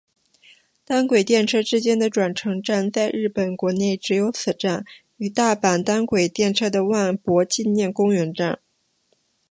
单轨电车之间的转乘站在日本国内只有此站与大阪单轨电车的万博纪念公园站。